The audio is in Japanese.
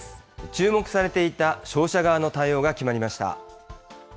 注目されていた商社側の対応が決まりました。